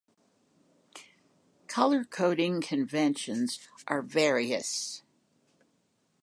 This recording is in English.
Color-coding conventions are various.